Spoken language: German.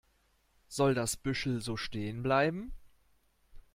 Soll das Büschel so stehen bleiben?